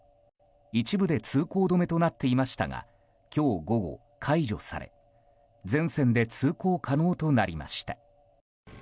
一部で通行止めとなっていましたが今日午後、解除され全線で通行可能となりました。